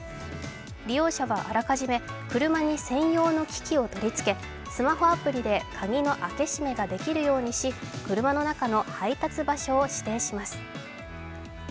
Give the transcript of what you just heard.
利用者は、あらかじめ車に専用の機器を取り付けスマホアプリで鍵の開け閉めができるようにし車の中の配達場所を指定します。